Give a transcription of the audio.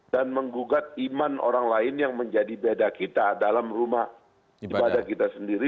dan menggugat iman orang lain yang menjadi beda kita dalam rumah ibadah kita sendiri